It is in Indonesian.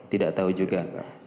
tidak tahu juga